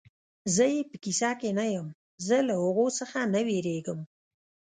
زه یې په کیسه کې نه یم، زه له هغو څخه نه وېرېږم.